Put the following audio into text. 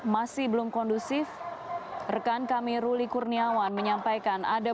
masa belum beranjak dari lokasi pengunjuk rasa